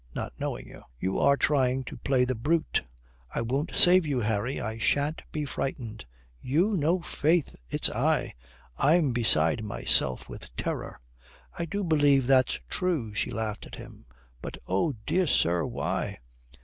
Not knowing you." "You are trying to play the brute. It won't save you, Harry. I shan't be frightened." "You! No, faith, it's I. I am beside myself with terror." "I do believe that's true!" She laughed at him. "But, oh, dear sir, why?"